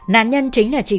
nạn nhân chính là trịnh